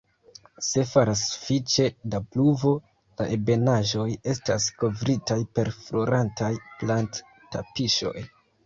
Se falas sufiĉe da pluvo, la ebenaĵoj estas kovritaj per florantaj plant-"tapiŝoj".